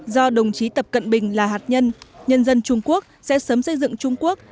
do đồng chí tập cận bình là hạt nhân nhân dân trung quốc sẽ sớm xây dựng trung quốc